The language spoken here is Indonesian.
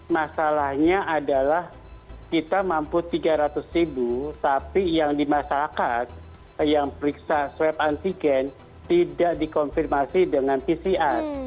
masalahnya adalah kita mampu tiga ratus ribu tapi yang di masyarakat yang periksa swab antigen tidak dikonfirmasi dengan pcr